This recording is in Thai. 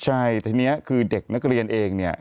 ใช่ทีนี้คือเด็กนักเรียนเองเนี่ย